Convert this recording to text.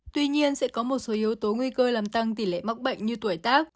tuy nhiên sẽ có một số yếu tố nguy cơ làm tăng tỷ lệ mắc bệnh như tuổi tác